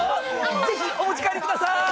ぜひお持ち帰りくださーい！